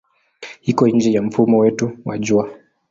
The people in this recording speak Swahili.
Iko nje ya mfumo wetu wa Jua.